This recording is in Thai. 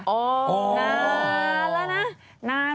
โอ้โฮนานแล้วน่ะ